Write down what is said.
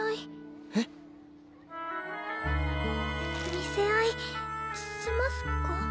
見せ合いしますか？